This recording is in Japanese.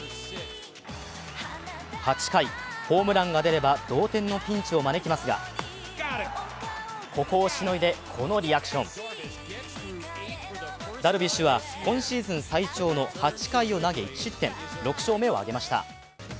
８回ホームランが出れば同点のピンチを招きますが、ここをしのいで、このリアクションダルビッシュは今シーズン最長の８回を投げ１失点６勝目を挙げました。